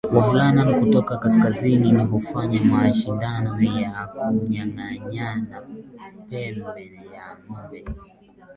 wavulana kutoka kaskazini hufanya mashindano ya kunyanganyana pembe ya ngombe